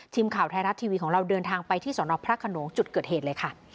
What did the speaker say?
ทีมข่าวไทยรัฐทีวีของเราเดินทางไปที่สนพระขนงจุดเกิดเหตุเลยค่ะ